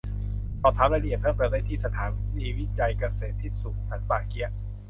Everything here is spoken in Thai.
สอบถามรายละเอียดเพิ่มเติมได้ที่สถานีวิจัยเกษตรที่สูงสันป่าเกี๊ยะ